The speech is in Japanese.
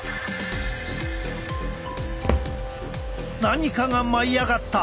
何かが舞い上がった！